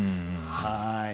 はい。